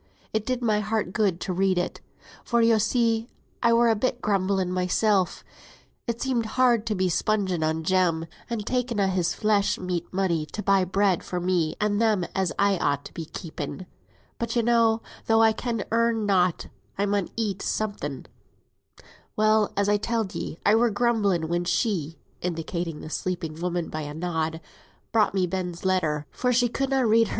It did my heart good to read it; for, yo see, I were a bit grumbling mysel; it seemed hard to be spunging on Jem, and taking a' his flesh meat money to buy bread for me and them as I ought to be keeping. But, yo know, though I can earn nought, I mun eat summut. Well, as I telled ye, I were grumbling, when she (indicating the sleeping woman by a nod) brought me Ben's letter, for she could na read hersel.